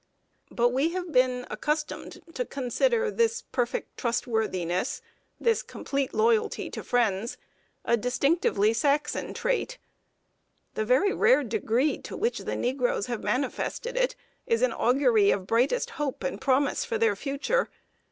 But we have been accustomed to consider this perfect trustworthiness, this complete loyalty to friends, a distinctively Saxon trait. The very rare degree to which the negroes have manifested it, is an augury of brightest hope and promise for their future.